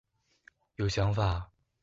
有想法